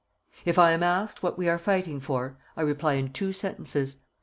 If I am asked what we are fighting for I reply in two sentences.